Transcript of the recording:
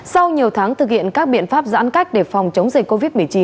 sau nhiều tháng thực hiện các biện pháp giãn cách để phòng chống dịch covid một mươi chín